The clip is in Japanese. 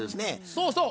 そうそう。